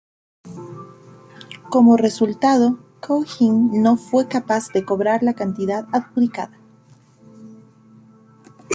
Como resultado, Cohen no fue capaz de cobrar la cantidad adjudicada.